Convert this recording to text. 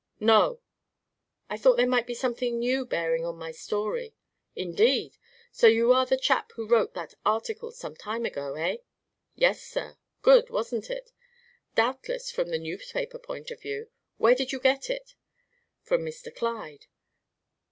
"No!" "I thought there might be something new bearing on my story." "Indeed! So you are the chap who wrote that article some time ago, eh?" "Yes, sir. Good, wasn't it?" "Doubtless, from the newspaper point of view. Where did you get it?" "From Mr. Clyde."